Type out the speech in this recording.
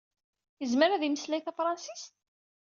Izmer ad imeslay tafṛansist?